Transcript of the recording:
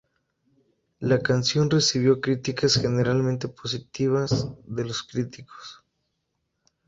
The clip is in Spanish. La canción recibió críticas generalmente positivas de los críticos.